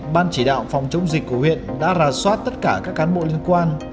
ban chỉ đạo phòng chống dịch của huyện đã rà soát tất cả các cán bộ liên quan